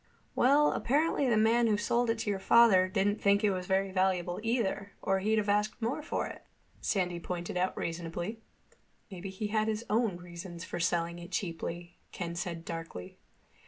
"Well, apparently the man who sold it to your father didn't think it was very valuable either, or he'd have asked more for it," Sandy pointed out reasonably. "Maybe he had his own reasons for selling it cheaply," Ken said darkly.